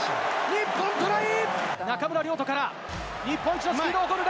日本トライ！